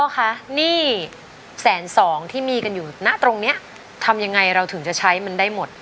คะหนี้แสนสองที่มีกันอยู่ณตรงนี้ทำยังไงเราถึงจะใช้มันได้หมด